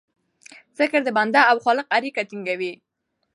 ذکر د بنده او خالق اړیکه ټینګوي.